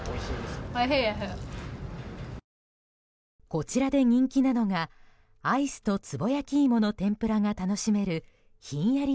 こちらで人気なのがアイスとつぼ焼き芋の天ぷらが楽しめるひんやり